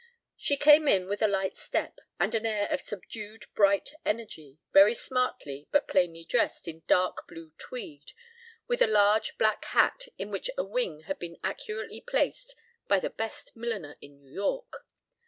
She came in with a light step and an air of subdued bright energy, very smartly but plainly dressed in dark blue tweed, with a large black hat in which a wing had been accurately placed by the best milliner in New York.